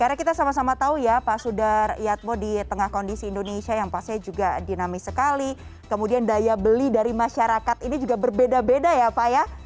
jadi kita tahu ya pak sudar yatmo di tengah kondisi indonesia yang pastinya juga dinamis sekali kemudian daya beli dari masyarakat ini juga berbeda beda ya pak ya